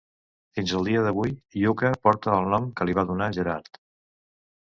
Fins al dia d'avui Yucca porta el nom que li va donar Gerard.